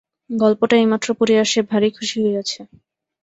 গল্পটা এইমাত্র পড়িয়া সে ভারি খুশি হইয়াছে।